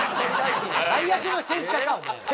最悪な政治家かお前は。